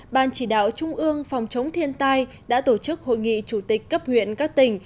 ban chỉ đạo trung ương phòng chống thiên tai đã tổ chức hội nghị chủ tịch cấp huyện các tỉnh